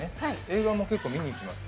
映画も結構見に行きます。